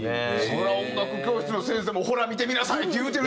そりゃ音楽教室の先生も「ほら見てみなさい！」って言うてるでしょ